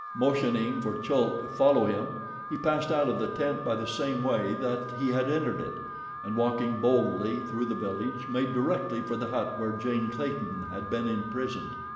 Motioning for Chulk to follow him, he passed out of the tent by the same way that he had entered it, and walking boldly through the village, made directly for the hut where Jane Clayton had been imprisoned.